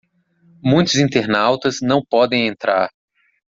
Muitos internautas não podem entrar